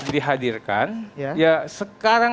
dihadirkan ya sekarang